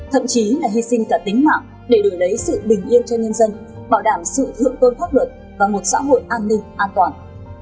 thậm chí là hy sinh cả tính mạng để đổi lấy sự bình yên cho nhân dân bảo đảm sự thượng tôn pháp luật và một xã hội an ninh an toàn